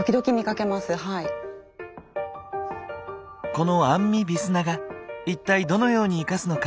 このアンミ・ビスナガ一体どのように生かすのか？